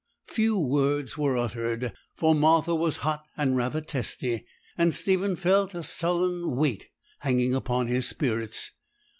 Few words were uttered, for Martha was hot, and rather testy; and Stephen felt a sullen weight hanging upon his spirits.